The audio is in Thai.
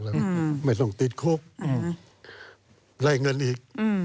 เป็นที่ไม่ต้องติดคุบให้ได้เงินอีก